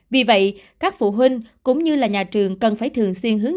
vì vậy các phụ huynh cũng như là nhà trường cần phải thường xuyên hướng dẫn